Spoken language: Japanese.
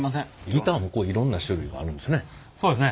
ギターもいろんな種類あるんですね。